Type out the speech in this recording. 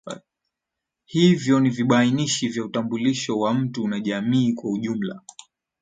Hivyo ni vibainishi vya utambulisho wa mtu na jamii kwa ujumla